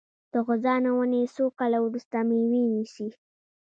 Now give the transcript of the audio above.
د غوزانو ونې څو کاله وروسته میوه نیسي؟